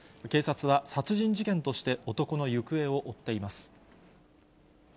警察は殺人事件として、男の行方を追っています。